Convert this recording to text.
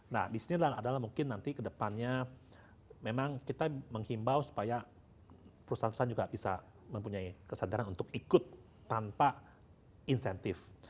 nah disini adalah mungkin nanti kedepannya memang kita menghimbau supaya perusahaan perusahaan juga bisa mempunyai kesadaran untuk ikut tanpa insentif